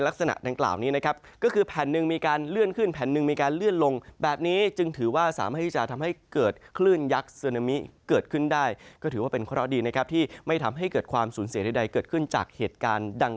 แล้วก็ทำให้เกิดเซอร์นามิเกิดขึ้น